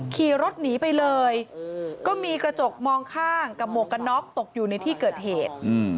ขี่รถหนีไปเลยก็มีกระจกมองข้างกับหมวกกันน็อกตกอยู่ในที่เกิดเหตุ